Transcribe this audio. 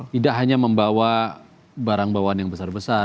tidak hanya membawa barang bawaan yang besar besar